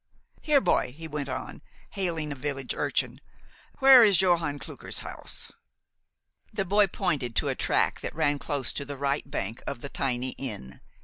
Here, boy," he went on, hailing a village urchin, "where is Johann Klucker's house?" The boy pointed to a track that ran close to the right bank of the tiny Inn.